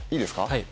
はい。